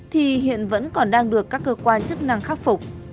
thì hiện vẫn còn đang được các cơ quan chức năng khắc phục